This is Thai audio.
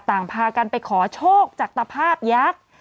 พากันไปขอโชคจากตภาพยักษ์